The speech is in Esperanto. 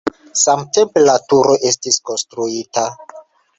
Samtempe la turo estis konstruita.